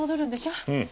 うん。